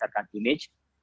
ya tetapi hukum tidak berdalam